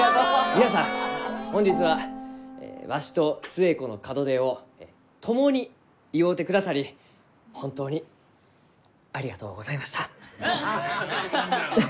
皆さん本日はわしと寿恵子の門出を共に祝うてくださり本当にありがとうございました。